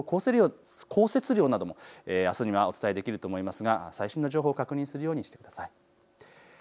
降雪量などもあすにはお伝えできると思いますが最新の情報を確認するようにしてください。